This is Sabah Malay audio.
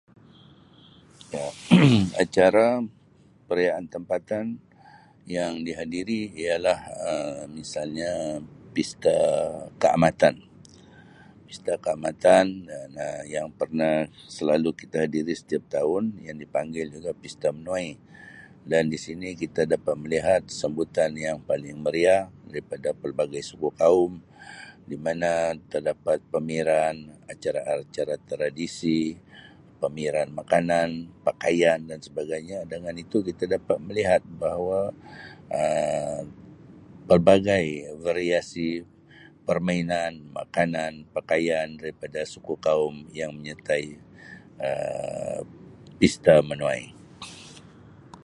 Ya acara perayaan tempatan yang dihadiri ialah Um misalnya pesta Kaamatan, pesta Kaamatan dan Um yang pernah selalu kita hadiri setiap tahun yang dipanggil juga pesta menuai dan di sini kita dapat melihat sambutan yang paling meriah daripada pelbagai suku kaum di mana terdapat pameran, acara-acara tradisi, pameran makanan, pakaian dan sebagainya dengan itu kita dapat melihat bahawa Um pelbagai variasi permainan, makanan, pakaian daripada suku kaum yang menyertai Um pesta menuai.